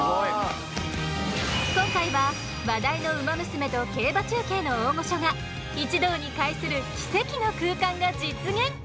今回は話題の「ウマ娘」と競馬中継の大御所が一堂に会する奇跡の空間が実現。